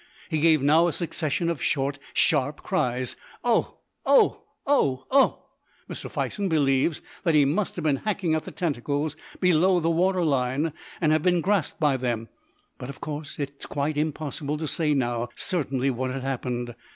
He gave now a succession of short, sharp cries, "Oh! oh! oh! oh!" Mr. Fison believes that he must have been hacking at the tentacles below the water line, and have been grasped by them, but, of course, it is quite impossible to say now certainly what had happened.